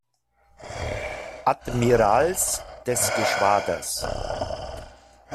Admirals des Geschwaders.